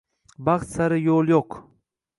Baxt sari yo’l yo’q.